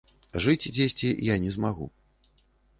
Жыць дзесьці я не змагу.